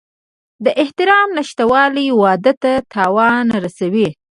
د احترام نشتوالی واده ته تاوان رسوي.